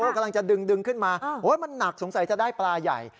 กำลังจะดึงขึ้นมามันหนักสงสัยจะได้ปลาใหญ่